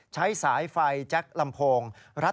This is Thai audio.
ใช้สาวที่นายพีรพัฒน์และก็ไม่ได้พาหญิงสาวไปร่วมหลับนอน